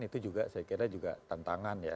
itu juga saya kira juga tantangan ya